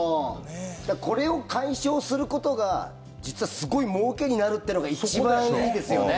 これを解消することが実は、すごいもうけになるっていうのが一番いいですよね。